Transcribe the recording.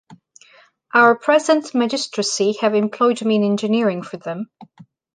Our present magistracy have employed me in engineering for them.